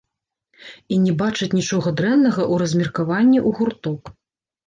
І не бачаць нічога дрэннага ў размеркаванні ў гурток.